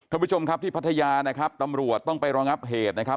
ท่านผู้ชมครับที่พัทยานะครับตำรวจต้องไปรองับเหตุนะครับ